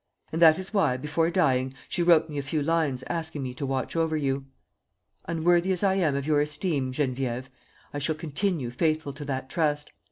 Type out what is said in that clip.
And that is why, before dying, she wrote me a few lines asking me to watch over you. "Unworthy as I am of your esteem, Geneviève, I shall continue faithful to that trust.